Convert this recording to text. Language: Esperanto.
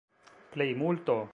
plejmulto